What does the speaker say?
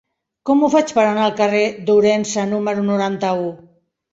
Com ho faig per anar al carrer d'Ourense número noranta-u?